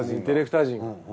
ディレクター陣が。